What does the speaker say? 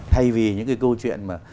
thay vì những cái câu chuyện mà